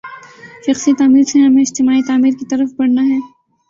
شخصی تعمیر سے ہمیں اجتماعی تعمیر کی طرف بڑھنا ہے۔